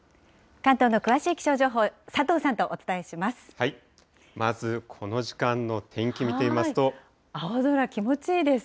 関東の詳しい気象情報、佐藤さんとお伝えします。